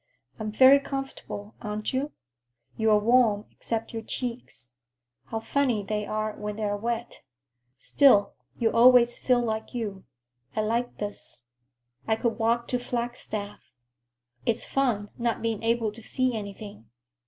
I'm very comfortable, aren't you? You're warm, except your cheeks. How funny they are when they're wet. Still, you always feel like you. I like this. I could walk to Flagstaff. It's fun, not being able to see anything.